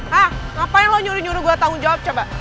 hah ngapain lu nyuri nyuruh gue tanggung jawab coba